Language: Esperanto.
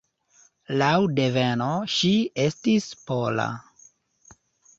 Laŭ deveno ŝi estis pola.